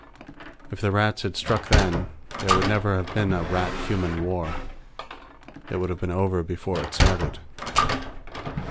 If the Rats had struck then, there would never have been a Rat Human War. It would have been over before it started.